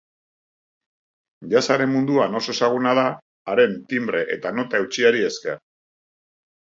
Jazzaren munduan oso ezaguna da, haren timbre eta nota eutsiari esker.